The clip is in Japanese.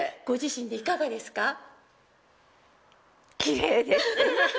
ご自身でいかがですか？